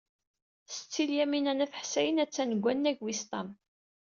Setti Lyamina n At Ḥsayen attan deg wannag wis ṭam.